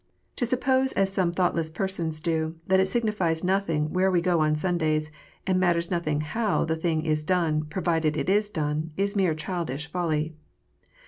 To suppose, as some thoughtless persons do, that it signifies nothing where we go on Sundays, and matters nothing how the thing is done, provided it is done, is mere childish folly.